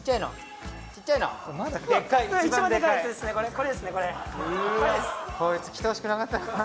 コイツ来てほしくなかったな。